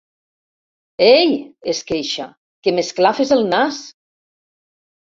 Ei! —es queixa— Que m'esclafes el nas!